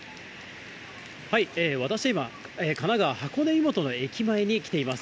私は今、神奈川・箱根湯本の駅前に来ています。